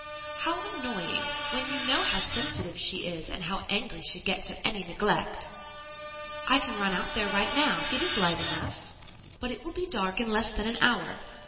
"How annoying! When you know how sensitive she is and how angry she gets at any neglect." "I can run out there now. It is light enough." "But it will be dark in less than an hour.